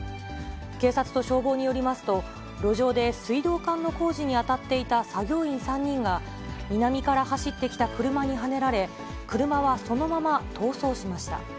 警察と消防によりますと、路上で水道管の工事に当たっていた作業員３人が、南から走ってきた車にはねられ、車はそのまま逃走しました。